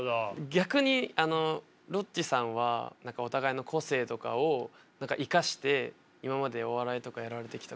逆にロッチさんはお互いの個性とかを生かして今までお笑いとかやられてきた感じなんですか？